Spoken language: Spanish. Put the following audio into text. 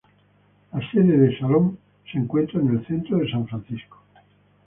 La sede de "Salon" se encuentra en el centro de San Francisco.